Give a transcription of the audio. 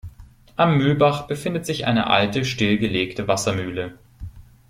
Am Mühlbach befindet sich eine alte stillgelegte Wassermühle.